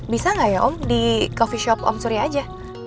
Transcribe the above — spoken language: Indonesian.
bisa nggak ya om di coffee shop om surya aja